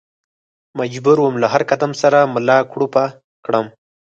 مجبور ووم له هر قدم سره ملا کړوپه کړم.